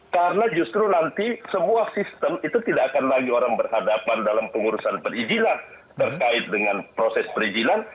karena justru nanti sebuah sistem itu tidak akan lagi orang berhadapan dalam pengurusan perijilan berkait dengan proses perijilan